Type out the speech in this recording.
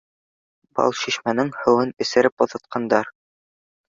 Балшишмәнең һыуын эсереп оҙатҡандар